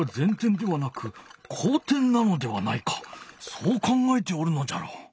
そう考えておるのじゃろ！